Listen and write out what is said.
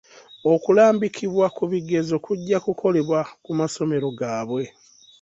Okulambikibwa ku bigezo kujja kukolebwa ku masomero gaabwe.